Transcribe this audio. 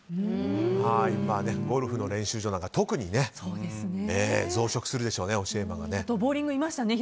ゴルフの練習場なんか特に増殖するでしょうね。